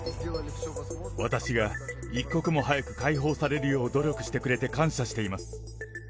私が一刻も早く解放されるよう努力してくれて感謝しています。